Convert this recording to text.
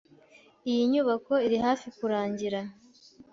Iyi nyubako iri hafi kurangira.